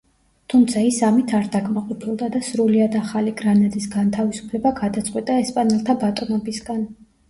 თუმცა ის ამით არ დაკმაყოფილდა და სრულიად ახალი გრანადის განთავისუფლება გადაწყვიტა ესპანელთა ბატონობისგან.